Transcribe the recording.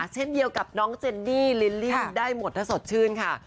เช่นเดียวกับน้องเจนนี่ลิลลี่ได้หมดถ้าสดชื่นค่ะ